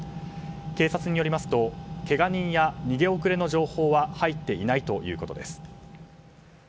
警察によりますとけが人や逃げ遅れの情報は入っていないということです。